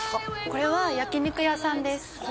これは焼き肉屋さんです